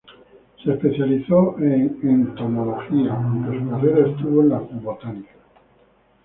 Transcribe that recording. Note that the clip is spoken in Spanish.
Se especializó en entomología, aunque su carrera estuvo en la botánica.